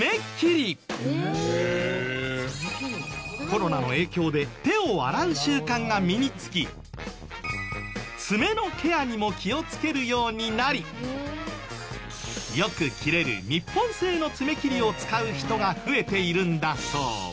コロナの影響で手を洗う習慣が身につき爪のケアにも気をつけるようになりよく切れる日本製の爪切りを使う人が増えているんだそう。